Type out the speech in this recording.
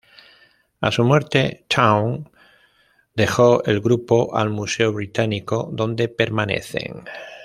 A su muerte, Towne dejó el grupo al Museo Británico, donde permanecen.